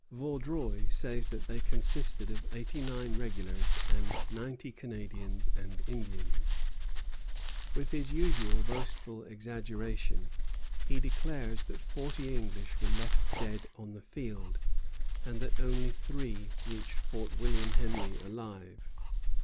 Vaudreuil says that they consisted of eighty nine regulars and ninety Canadians and Indians. With his usual boastful exaggeration, he declares that forty English were left dead on the field, and that only three reached Fort William Henry alive.